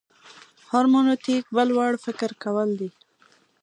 هرمنوتیک بل وړ فکر کول دي.